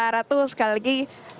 ratu sekali lagi